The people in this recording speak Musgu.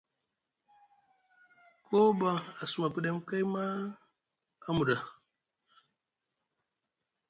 Koo ɓa a suma pɗem kay maa a muɗa.